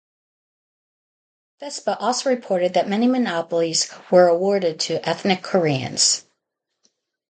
Vespa also reported that many monopolies were awarded to ethnic Koreans.